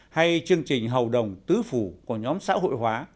hay chương trình hầu đồng tứ phủ của nhóm xã hội hóa